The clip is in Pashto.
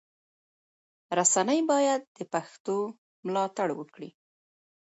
رسنی باید د پښتو ملاتړ وکړي.